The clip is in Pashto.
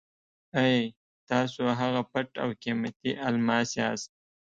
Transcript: اې! تاسو هغه پټ او قیمتي الماس یاست.